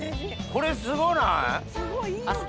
これすごない？